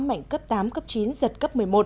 mạnh cấp tám cấp chín giật cấp một mươi một